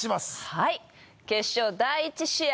はい決勝第一試合